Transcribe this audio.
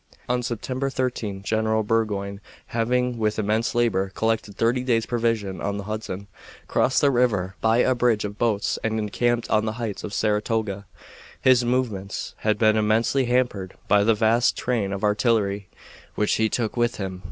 On September 13 General Burgoyne, having with immense labor collected thirty days' provisions on the Hudson, crossed the river by a bridge of boats and encamped on the heights of Saratoga. His movements had been immensely hampered by the vast train of artillery which he took with him.